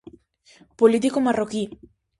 Político marroquí.